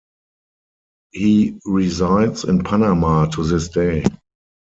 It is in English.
He resides in Panama to this day.